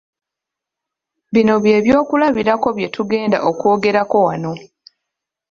Bino bye by'okulabirako bye tugenda okwogerako wano.